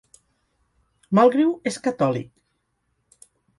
Mulgrew és catòlic.